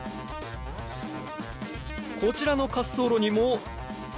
こちらの滑走路にも。